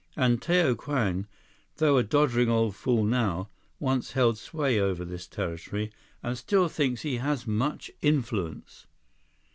And Tao Kwang, though a doddering old fool now, once held sway over this territory, and still thinks he has much influence."